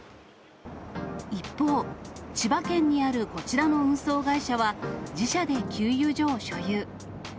一方、千葉県にあるこちらの運送会社は、自社で給油所を所有。